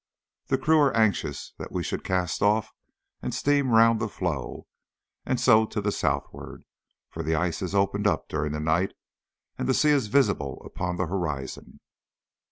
The crew are anxious that we should cast off and steam round the floe and so to the southward, for the ice has opened up during the night, and the sea is visible upon the horizon.